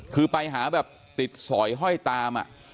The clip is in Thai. คือไปหาแบบติดสอยห้อยตาม